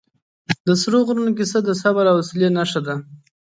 د سرو غرونو کیسه د صبر او حوصلې نښه ده.